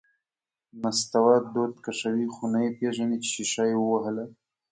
نستوه دود کشوي، خو نه یې پېژني چې شیشه یې ووهله…